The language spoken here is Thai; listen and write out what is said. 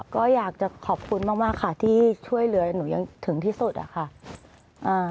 ก็อยากจะขอบคุณมากมากค่ะที่ช่วยเหลือหนูอย่างถึงที่สุดอะค่ะ